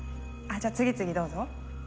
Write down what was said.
じゃあ次々どうぞ。